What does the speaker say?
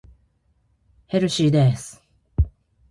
ヘルシーです。